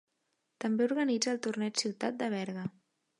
També organitza el Torneig Ciutat de Berga.